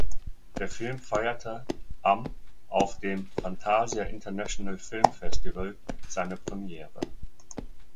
Der Film feierte am auf dem Fantasia International Film Festival seine Premiere.